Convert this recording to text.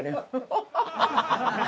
ハハハハ！